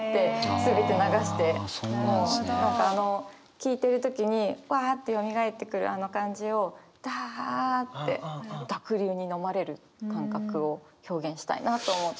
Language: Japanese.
聴いてる時にわあってよみがえってくるあの感じをだあって濁流に飲まれる感覚を表現したいなと思って。